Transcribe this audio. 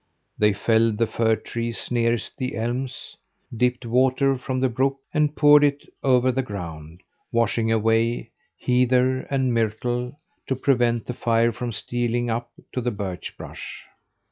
They felled the fir trees nearest the elms, dipped water from the brook and poured it over the ground, washing away heather and myrtle to prevent the fire from stealing up to the birch brush.